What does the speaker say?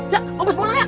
ya mau bos pulang ya